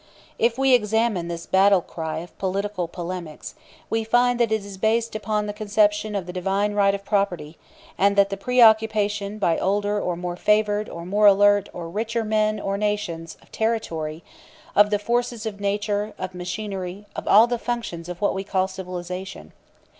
If we examine this battle cry of political polemics, we find that it is based upon the conception of the divine right of property, and the preoccupation by older or more favored or more alert or richer men or nations, of territory, of the forces of nature, of machinery, of all the functions of what we call civilization.